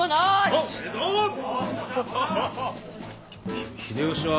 ひ秀吉は。